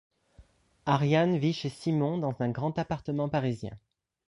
Ariane vit chez Simon dans un grand appartement parisien.